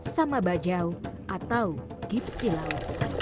sama bajau atau gipsilau